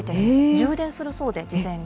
充電するそうで、事前に。